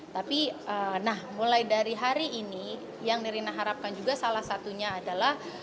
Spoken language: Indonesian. tapi nah mulai dari hari ini yang nirina harapkan juga salah satunya adalah